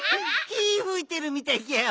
ひふいてるみたいギャオ。